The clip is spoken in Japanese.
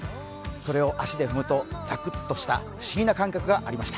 それを足で踏むとサクッとした不思議な感覚がありました。